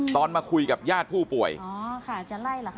มาคุยกับญาติผู้ป่วยอ๋อค่ะจะไล่เหรอคะ